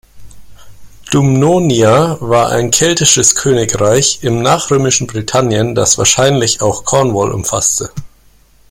Dumnonia war ein keltisches Königreich im nachrömischen Britannien, das wahrscheinlich auch Cornwall umfasste.